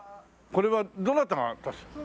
これはどなたが建てた？